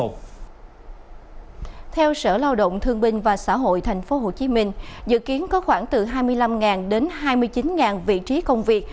theo sở lao động thương binh và xã hội tp hcm dự kiến có khoảng từ hai mươi năm đến hai mươi chín vị trí công việc